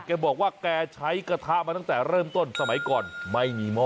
แกบอกว่าแกใช้กระทะมาตั้งแต่เริ่มต้นสมัยก่อนไม่มีหม้อ